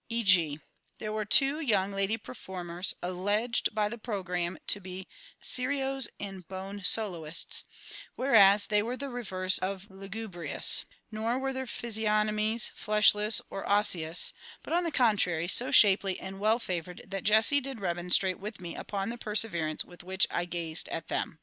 E.g., there were two young lady performers alleged by the programme to be "Serios and Bone Soloists," whereas they were the reverse of lugubrious; nor were their physiognomies fleshless or osseous; but, on the contrary, so shapely and well favoured that JESSIE did remonstrate with me upon the perseverance with which I gazed at them.